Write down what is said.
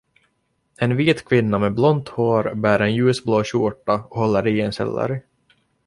En vit kvinna med blont hår bär en ljusblå skjorta och håller i en selleri.